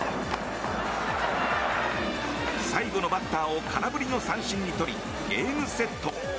最後のバッターを空振りの三振に取りゲームセット。